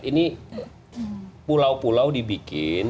ini pulau pulau dibikin